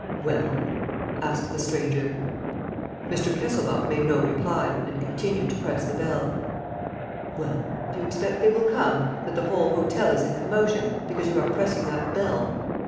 "Well?" asked the stranger. Mr. Kesselbach made no reply and continued to press the button. "Well? Do you expect they will come, that the whole hotel is in commotion, because you are pressing that bell?